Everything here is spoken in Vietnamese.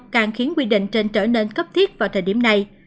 càng khiến quy định trên trở nên cấp thiết vào thời điểm này